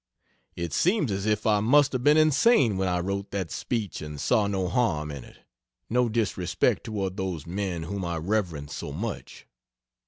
It seems as if I must have been insane when I wrote that speech and saw no harm in it, no disrespect toward those men whom I reverenced so much.